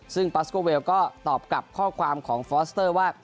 ซึ่งปาสโกเวลก็ตอบกับข้อความของฟอสเตอร์ว่า